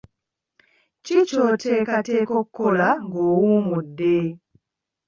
Ki ky'oteekateeka okukola ng'owummudde?